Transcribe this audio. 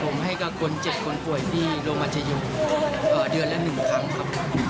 ผมให้กับคนเจ็บคนป่วยที่โรงพยาบาลชยุเดือนละ๑ครั้งครับ